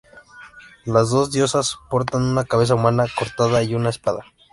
Las dos diosas portan una cabeza humana cortada y una espada.